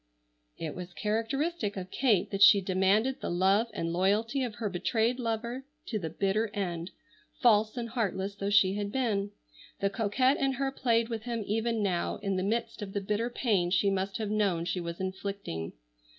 It was characteristic of Kate that she demanded the love and loyalty of her betrayed lover to the bitter end, false and heartless though she had been. The coquette in her played with him even now in the midst of the bitter pain she must have known she was inflicting.